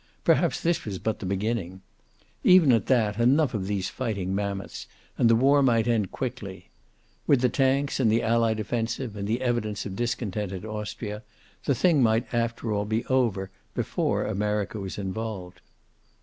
Perhaps this was but the beginning. Even at that, enough of these fighting mammoths, and the war might end quickly. With the tanks, and the Allied offensive and the evidence of discontent in Austria, the thing might after all be over before America was involved.